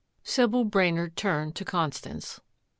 Sybil Brainard turned to Constance.